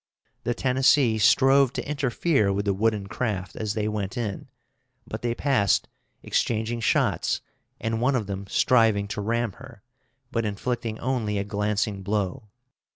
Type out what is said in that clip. The Tennessee strove to interfere with the wooden craft as they went in, but they passed, exchanging shots, and one of them striving to ram her, but inflicting only a glancing blow.